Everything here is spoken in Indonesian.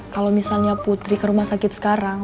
kalau misalnya putri ke rumah sakit sekarang